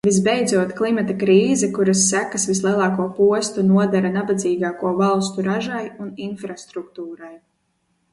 Visbeidzot, klimata krīze, kuras sekas vislielāko postu nodara nabadzīgāko valstu ražai un infrastruktūrai.